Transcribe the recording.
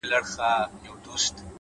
هوښیار انسان د اورېدو مهارت لري.!